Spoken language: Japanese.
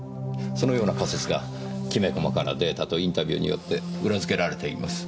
そのような仮説がきめ細かなデータとインタビューによって裏付けられています。